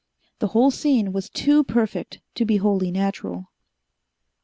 The whole scene was too perfect to be wholly natural.